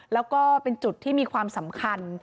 แล้วก็เป็นจุดที่มีความสำคัญ